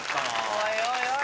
おいおいおい